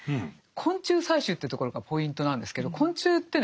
昆虫採集というところがポイントなんですけど昆虫ってね